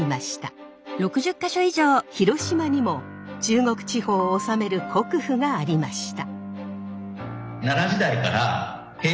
広島にも中国地方を治める国府がありました。